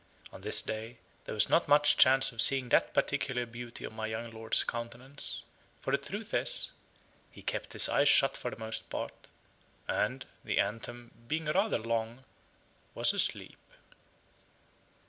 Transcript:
On this day there was not much chance of seeing that particular beauty of my young lord's countenance; for the truth is, he kept his eyes shut for the most part, and, the anthem being rather long, was asleep.